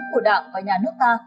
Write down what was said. của đảng và nhà nước ta